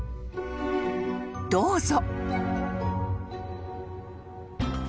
［どうぞ］